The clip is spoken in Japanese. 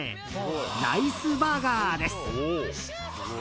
ライスバーガーです。